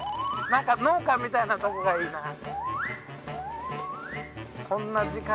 農家みたいなとこがいいなぁ。